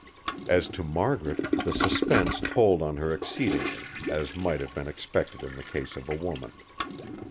As to Margaret, the suspense told on her exceedingly, as might have been expected in the case of a woman.